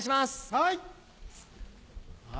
はい。